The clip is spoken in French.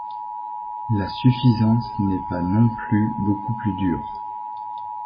La suffisance n'est pas non plus beaucoup plus dure.